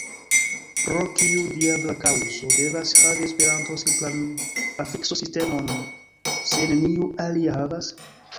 Pro kiu diabla kaŭzo devas havi Esperanto simplan afikso-sistemon, se neniu alia havas?